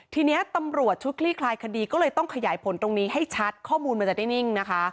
ทีนี้ตำรวจชุดคลี่คลายคดีก็เลยต้องขยายผลตรงนี้ให้ชัดข้อมูลมันจะได้นิ่งนะคะ